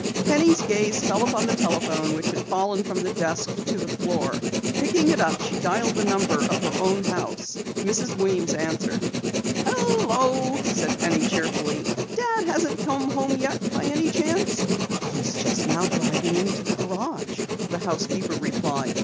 Penny's gaze fell upon the telephone which had fallen from the desk to the floor. Picking it up, she dialed the number of her own house. Mrs. Weems answered. "Hello," said Penny cheerfully, "Dad hasn't come home yet by any chance?" "He's just now driving into the garage," the housekeeper replied.